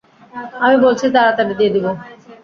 আমি বলেছি তাড়াতাড়ি দিয়ে দিব।